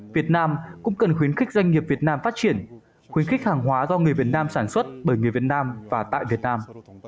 việt nam cũng cần khuyến khích doanh nghiệp việt nam phát triển khuyến khích hàng hóa do người việt nam sản xuất bởi người việt nam và tại việt nam